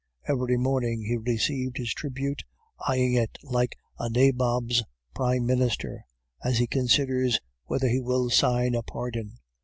Every morning he received his tribute, eyeing it like a Nabob's prime minister, as he considers whether he will sign a pardon.